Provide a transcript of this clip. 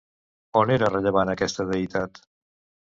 On era rellevant aquesta deïtat?